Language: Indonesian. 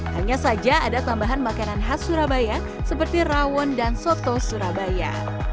hanya saja ada tambahan makanan khas surabaya seperti rawon dan soto surabaya